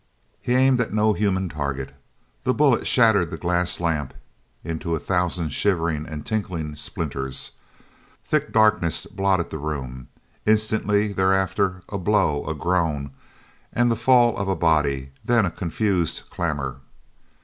He aimed at no human target. The bullet shattered the glass lamp into a thousand shivering and tinkling splinters. Thick darkness blotted the room. Instantly thereafter a blow, a groan, and the fall of a body; then a confused clamour.